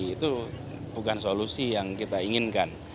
itu bukan solusi yang kita inginkan